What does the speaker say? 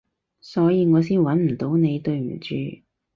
所以我先搵唔到你，對唔住